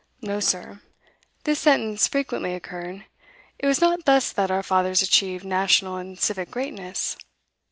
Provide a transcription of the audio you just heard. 'No, sir,' this sentence frequently occurred, 'it was not thus that our fathers achieved national and civic greatness.